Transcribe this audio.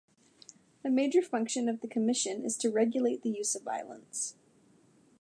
A major function of the Commission is to regulate the use of violence.